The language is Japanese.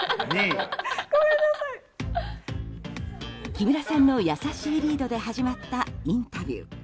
木村さんの優しいリードで始まったインタビュー。